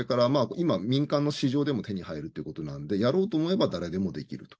民間の市場でも手に入るということなのでやろうと思えば誰でもできる。